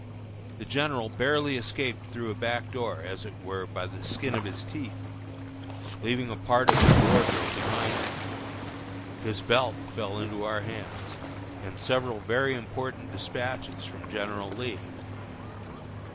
The general barely escaped through a back door, as it were "by the skin of his teeth," leaving a part of his wardrobe behind him. His belt fell into our hands, and several very important despatches from General Lee.